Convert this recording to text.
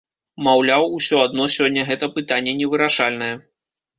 Маўляў, усё адно сёння гэта пытанне невырашальнае.